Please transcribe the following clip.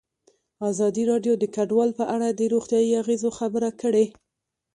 ازادي راډیو د کډوال په اړه د روغتیایي اغېزو خبره کړې.